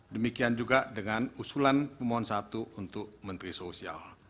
demikian juga dengan usulan pemohon satu untuk menteri sosial